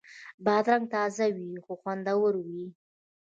بادرنګ تازه وي نو خوندور وي.